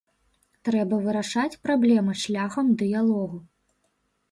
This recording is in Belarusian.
Трэба вырашаць праблемы шляхам дыялогу.